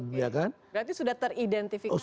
berarti sudah teridentifikasi